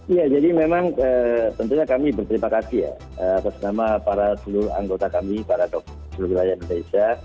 ya jadi memang tentunya kami berterima kasih ya atas nama para seluruh anggota kami para dokter seluruh wilayah indonesia